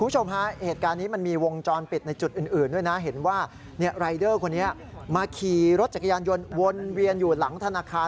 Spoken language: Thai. จักรยานยนต์วนเวียนอยู่หลังธนาคาร